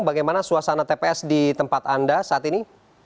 bagaimana suasana tps di tempat anda saat ini